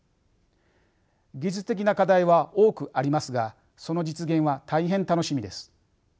技術的な課題は多くありますがその実現は大変楽しみです。